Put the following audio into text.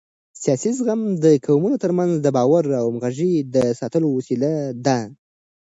سیاسي زغم د قومونو ترمنځ د باور او همغږۍ د ساتلو وسیله ده